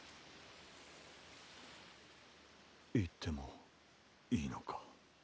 いってもいいのか？